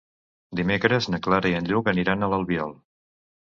Dimecres na Clara i en Lluc aniran a l'Albiol.